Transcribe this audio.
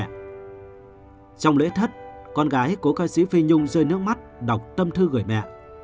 trong lễ thất con gái cố ca sĩ phi nhung rơi nước mắt đọc tâm thư gửi mẹ